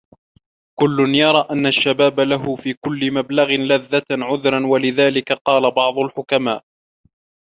كُلٌّ يَرَى أَنَّ الشَّبَابَ لَهُ فِي كُلِّ مَبْلَغِ لَذَّةٍ عُذْرَا وَلِذَلِكَ قَالَ بَعْضُ الْحُكَمَاءِ